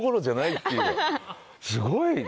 すごい。